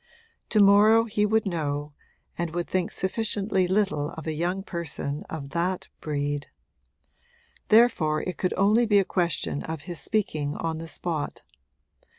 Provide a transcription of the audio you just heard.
To morrow he would know, and would think sufficiently little of a young person of that breed: therefore it could only be a question of his speaking on the spot.